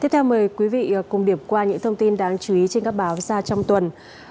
tiếp theo mời quý vị cùng điểm qua những thông tin đáng chú ý trên các báo ra trong tuần